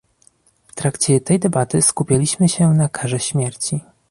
W trakcie tej debaty skupialiśmy się na karze śmierci